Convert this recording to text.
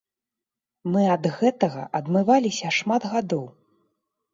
Мы ад гэтага адмываліся шмат гадоў.